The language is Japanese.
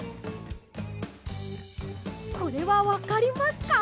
これはわかりますか？